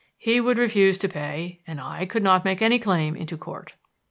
He would refuse to pay and I could not take my claim into Court.